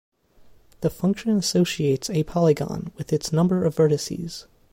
The function associates a polygon with its number of vertices.